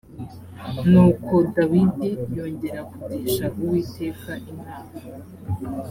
nuko dawidi yongera kugisha uwiteka inama